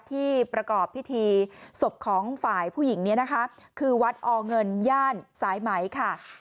ที่ประกอบพิธีศพของฝ่ายผู้หญิงนี้นะคะคือวัดอเงินย่านสายไหมค่ะ